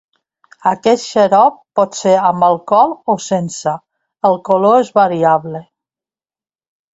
Aquest xarop pot ser amb alcohol o sense; el color és variable.